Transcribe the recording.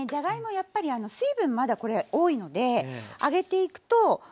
やっぱり水分まだこれ多いので揚げていくと痩せていきます。